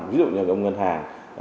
ví dụ như ông ngân hàng